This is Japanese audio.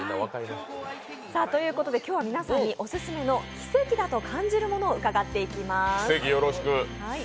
今日は皆さんに「オススメの奇跡だと感じるもの」を伺っていきます。